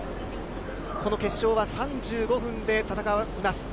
この決勝は３５分で戦います。